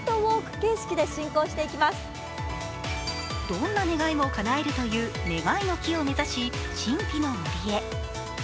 どんな願いもかなえるという願いの木を目指し、神秘の森へ。